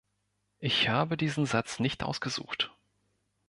Ich habe diesen Satz nicht ausgesucht.